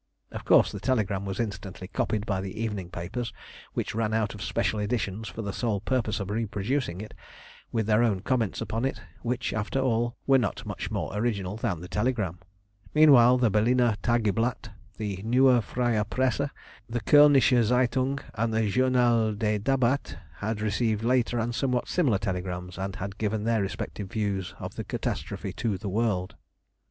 Of course the telegram was instantly copied by the evening papers, which ran out special editions for the sole purpose of reproducing it, with their own comments upon it, which, after all, were not much more original than the telegram. Meanwhile the Berliner Tageblatt, the Newe Freie Presse, the Kölnische Zeitung, and the Journal des Débats had received later and somewhat similar telegrams, and had given their respective views of the catastrophe to the world.